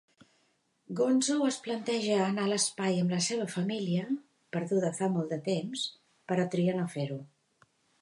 Gonzo es planteja anar a l'espai amb la seva família, perduda fa molt de temps, però tria no fer-ho.